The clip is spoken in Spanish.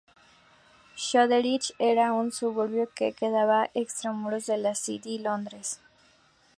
Shoreditch era un suburbio que quedaba extramuros de la City de Londres.